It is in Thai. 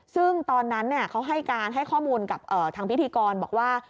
ซึ่งตอนนั้นเขาให้การให้ข้อมูลกับทางพิธีกรบอกว่า